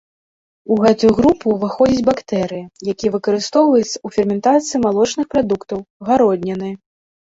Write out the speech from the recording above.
У гэтую групу ўваходзяць бактэрыі, якія выкарыстоўваюцца ў ферментацыі малочных прадуктаў, гародніны.